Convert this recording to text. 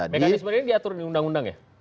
mekanisme ini diatur di undang undang ya